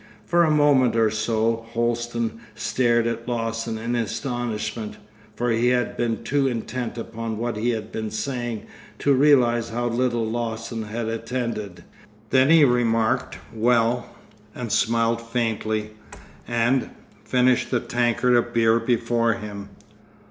For a moment or so Holsten stared at Lawson in astonishment, for he had been too intent upon what he had been saying to realise how little Lawson had attended. Then he remarked, 'Well!' and smiled faintly, and—finished the tankard of beer before him.